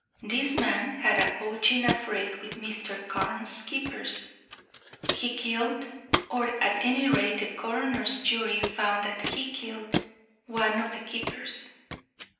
This man had a poaching affray with Mr. Carne's keepers; he killed, or at any rate the coroner's jury found that he killed, one of the keepers.